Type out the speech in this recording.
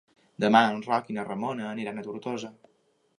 Demà en Roc i na Ramona aniran a Tortosa.